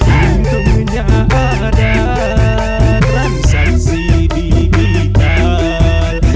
untungnya ada transaksi digital